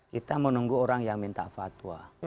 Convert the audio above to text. kita menunggu orang yang minta fatwa